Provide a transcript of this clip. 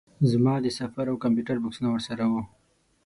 زما د سفر او کمپیوټر بکسونه ورسره وو.